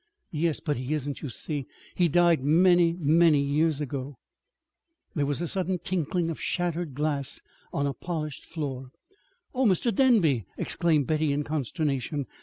"Yes. But he isn't, you see. He died many, many years ago." There was the sudden tinkling of shattered glass on a polished floor. "Oh, Mr. Denby!" exclaimed Betty in consternation.